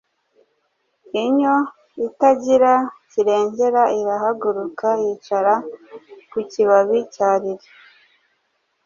Inyo itagira kirengera irahaguruka, yicara ku kibabi cya Lili